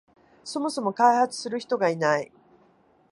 そもそも開発する人がいない